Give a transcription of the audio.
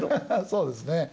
そうですね。